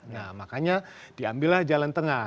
nah makanya diambillah jalan tengah